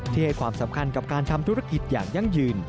ให้ความสำคัญกับการทำธุรกิจอย่างยั่งยืน